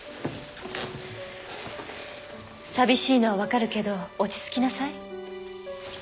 寂しいのは分かるけど落ち着きなさい。